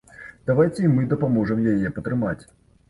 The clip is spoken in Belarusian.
Давайце і мы дапаможам яе патрымаць!